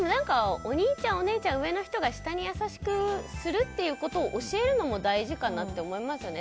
お兄ちゃん、お姉ちゃん上の人が下に優しくすることを教えるのも大事かなって思いますよね。